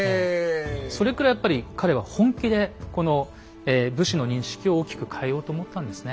それくらいやっぱり彼は本気でこの武士の認識を大きく変えようと思ったんですね。